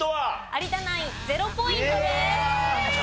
有田ナイン０ポイントです。